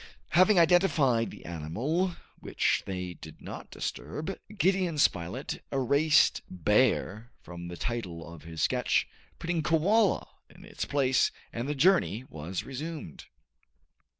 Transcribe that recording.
Having identified the animal, which they did not disturb, Gideon Spilett erased "bear" from the title of his sketch, putting koala in its place, and the journey was resumed.